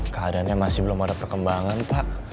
keadaannya masih belum ada perkembangan pak